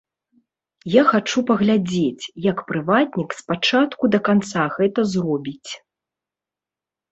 Я хачу паглядзець, як прыватнік з пачатку да канца гэта зробіць.